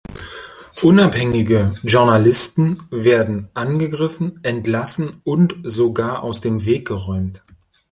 Unabhängige Journalisten werden angegriffen, entlassen und sogar aus dem Weg geräumt.